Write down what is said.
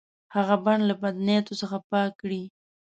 هغه بڼ له بد نیتو څخه پاک کړي.